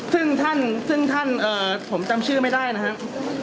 ซึ่งท่านซึ่งท่านผมจำชื่อไม่ได้นะครับ